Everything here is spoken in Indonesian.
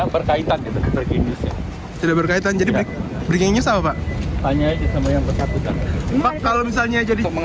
mengenai rk bagaimana ini pak koleksinya